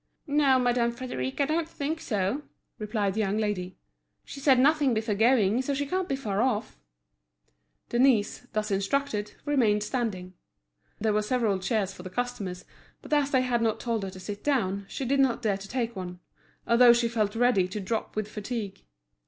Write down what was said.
"No, Madame Frédéric, I don't think so," replied the young lady. "She said nothing before going, so she can't be far off." Denise, thus instructed, remained standing. There were several chairs for the customers; but as they had not told her to sit down, she did not dare to take one, although she felt ready to drop with fatigue.